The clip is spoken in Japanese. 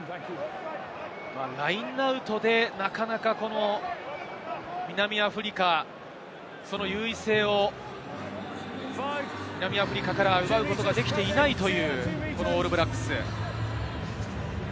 ラインアウトでなかなか南アフリカからその優位性を奪うことができていないオールブラックス。